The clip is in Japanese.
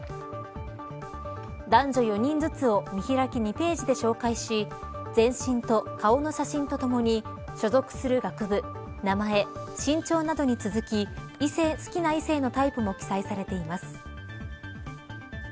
男女４人ずつを見開き２ページで紹介し全身と顔の写真とともに所属する学部、名前身長などに続き好きな異性のタイプも記載されています。